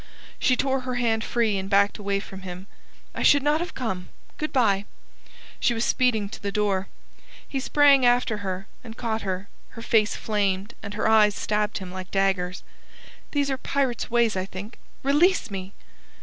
She tore her hand free and backed away from him. "I should not have come. Good bye!" She was speeding to the door. He sprang after her, and caught her. Her face flamed, and her eyes stabbed him like daggers. "These are pirate's ways, I think! Release me!"